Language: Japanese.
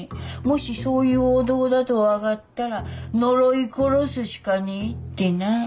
もしそういう男だと分がったら呪い殺すしかねえってなあ。